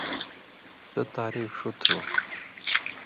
سو تعریف ݜُو تُھو،